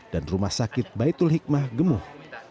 dan rumah sakit baitul hikmah gemuh